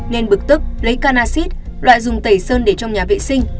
nên bực tức lấy can acid loại dùng tẩy sơn để trong nhà vệ sinh